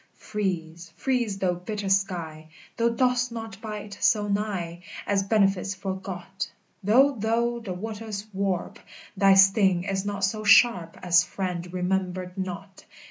Freeze, freeze, thou bitter sky, Thou dost not bite so nigh As benefits forgot: Though thou the waters warp, Thy sting is not so sharp As friend remembered not.